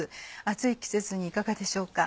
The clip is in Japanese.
暑い季節にいかがでしょうか。